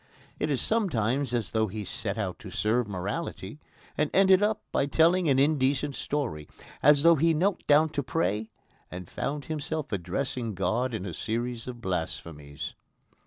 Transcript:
It is sometimes as though he set out to serve morality and ended by telling an indecent story as though he knelt down to pray and found himself addressing God in a series of blasphemies.